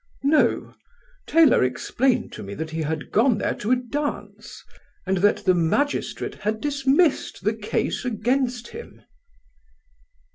"No; Taylor explained to me that he had gone there to a dance, and that the magistrate had dismissed the case against him."